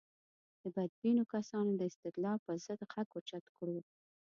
د بدبینو کسانو د استدلال پر ضد غږ اوچت کړو.